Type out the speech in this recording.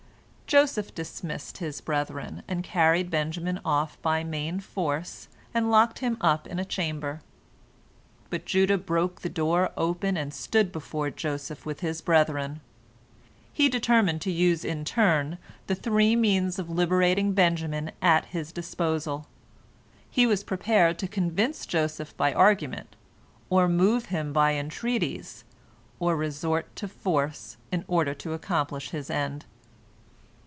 Joseph dismissed his brethren, and carried Benjamin off by main force, and locked him up in a chamber. But Judah broke the door open and stood before Joseph with his brethren. He determined to use in turn the three means of liberating Benjamin at his disposal. He was prepared to convince Joseph by argument, or move him by entreaties, or resort to force, in order to accomplish his end.